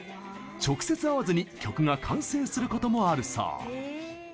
直接会わずに曲が完成することもあるそう。